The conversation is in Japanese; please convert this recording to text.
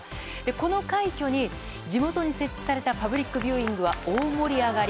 この快挙に地元に設置されたパブリックビューイングは大盛り上がり。